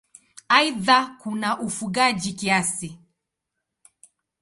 Aidha kuna ufugaji kiasi.